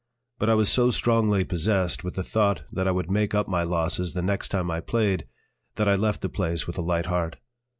But I was so strongly possessed with the thought that I would make up my losses the next time I played that I left the place with a light heart.